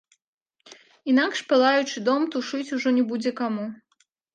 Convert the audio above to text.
Інакш палаючы дом тушыць ужо не будзе каму.